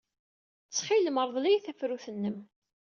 Ttxil-m, rḍel-iyi tafrut-nnem.